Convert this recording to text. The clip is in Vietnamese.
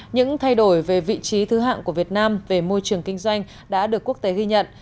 những thay đổi về vị trí thứ hạng của việt nam về môi trường kinh doanh đã được quốc tế ghi nhận